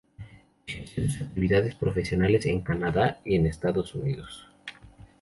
Ejerció sus actividades profesionales en Canadá y en Estados Unidos.